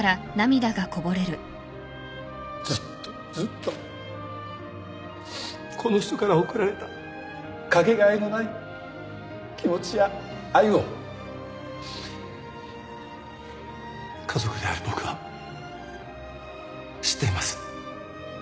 ずっとずっとこの人から贈られたかけがえのない気持ちや愛を家族である僕は知っています。